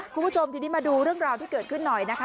คุณผู้ชมทีนี้มาดูเรื่องราวที่เกิดขึ้นหน่อยนะคะ